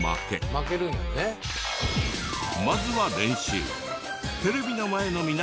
まずは練習。